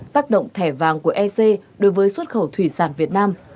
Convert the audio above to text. tác động thẻ vàng của ec đối với xuất khẩu thủy sản việt nam